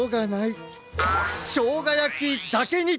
しょうがやきだけに！